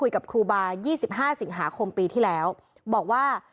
ครูบาร์๒๕สิงหาคมของเจ้าท่าน